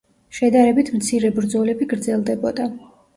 შედარებით მცირე ბრძოლები გრძელდებოდა.